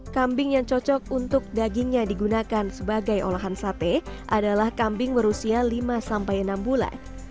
kambing yang cocok untuk dagingnya digunakan sebagai olahan sate adalah kambing berusia lima sampai enam bulan